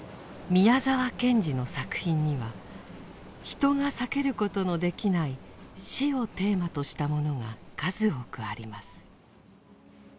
宮沢賢治の作品には人が避けることのできない死をテーマとしたものが数多くあります。